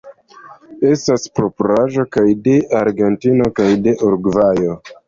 Estas propraĵo kaj de Argentino kaj de Urugvajo.